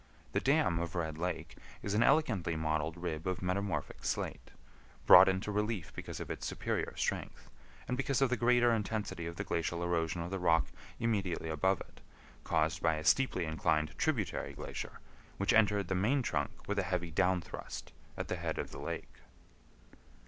The dam of Red Lake is an elegantly modeled rib of metamorphic slate, brought into relief because of its superior strength, and because of the greater intensity of the glacial erosion of the rock immediately above it, caused by a steeply inclined tributary glacier, which entered the main trunk with a heavy down thrust at the head of the lake.